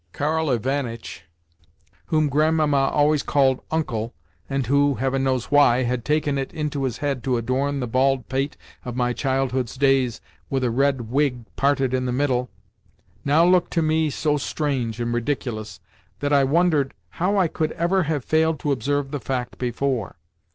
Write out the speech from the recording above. Karl Ivanitch—whom Grandmamma always called "Uncle," and who (Heaven knows why!) had taken it into his head to adorn the bald pate of my childhood's days with a red wig parted in the middle—now looked to me so strange and ridiculous that I wondered how I could ever have failed to observe the fact before.